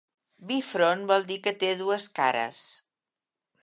Bifront vol dir «que té dues cares».